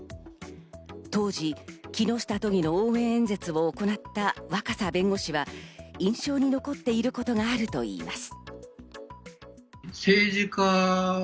当時、木下都議の応援演説を行った若狭弁護士は、印象に残っていることがあるといいます。